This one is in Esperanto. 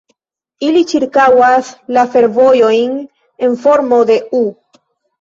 Ili ĉirkaŭas la fervojojn en formo de "U".